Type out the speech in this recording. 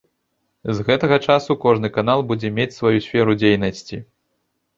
З гэтага часу кожны канал будзе мець сваю сферу дзейнасці.